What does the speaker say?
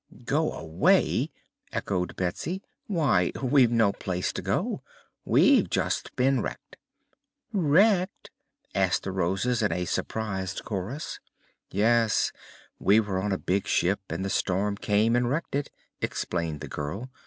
"Go away!" echoed Betsy. "Why, we've no place to go. We've just been wrecked." "Wrecked?" asked the Roses in a surprised chorus. "Yes; we were on a big ship and the storm came and wrecked it," explained the girl.